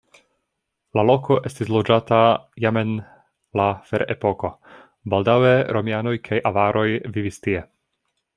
La loko estis loĝata jam en la ferepoko, baldaŭe romianoj kaj avaroj vivis tie.